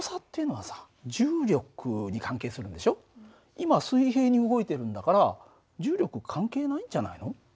今水平に動いてるんだから重力関係ないんじゃないの？